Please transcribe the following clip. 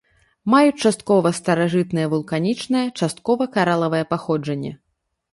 Маюць часткова старажытнае вулканічнае, часткова каралавае паходжанне.